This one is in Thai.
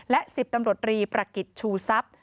และ๑๐ตำรวจรีประกิจชูซับ